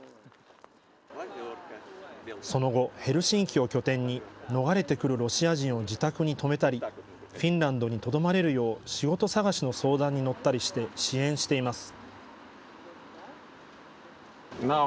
その後、ヘルシンキを拠点に逃れてくるロシア人を自宅に泊めたりフィンランドにとどまれるよう仕事探しの相談に乗ったりして支援しています。